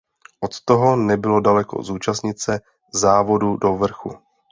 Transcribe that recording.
Od toho nebylo daleko zúčastnit se závodů do vrchu.